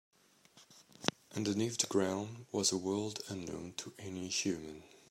Underneath the ground was a world unknown to any human.